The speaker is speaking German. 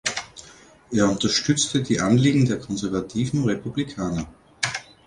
Er unterstützte die Anliegen der konservativen Republikaner.